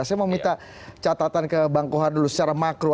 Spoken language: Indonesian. saya mau minta catatan ke bang kohar dulu secara makro